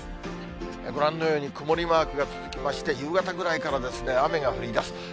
ご覧のように、曇りマークが続きまして、夕方ぐらいから雨が降りだす。